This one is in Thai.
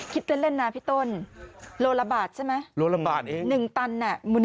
คิดเล่นนะพี่ต้นโลละบาทใช่ไหม